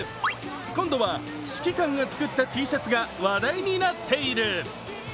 今度は、指揮官が作ったＴシャツが話題になっている。